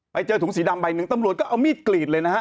ไปเจอถุงสีดำใบหนึ่งตำรวจก็เอามีดกรีดเลยนะฮะ